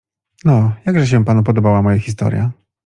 No, jakże się panu podobała moja historia?